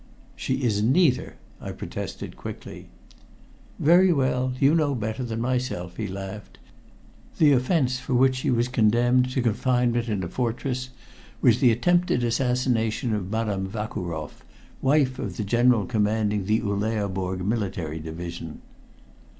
"She is neither," I protested quickly. "Very well. You know better than myself," he laughed. "The offense for which she was condemned to confinement in a fortress was the attempted assassination of Madame Vakuroff, wife of the General commanding the Uleaborg Military Division."